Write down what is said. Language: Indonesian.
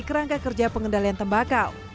kerangka kerja pengendalian tembakau